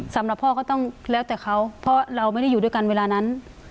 สำหรับพ่อก็ต้องแล้วแต่เขาเพราะเราไม่ได้อยู่ด้วยกันเวลานั้น